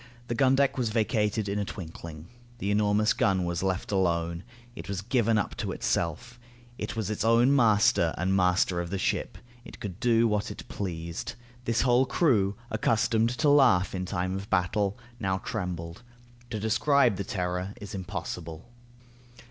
The gun deck was vacated in a twinkling. The enormous gun was left alone. It was given up to itself. It was its own master and master of the ship. It could do what it pleased. This whole crew, accustomed to laugh in time of battle, now trembled. To describe the terror is impossible.